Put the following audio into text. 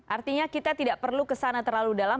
artinya kita tidak perlu kesana terlalu dalam